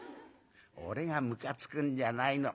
「俺がむかつくんじゃないの。ねえ。